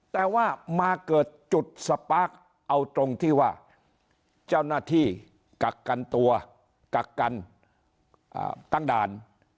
แต่ว่ามาเกิดจุดสปาร์คเอาตรงที่ว่าเจ้าหน้าที่กักกันตัวกักกันตั้งด่าน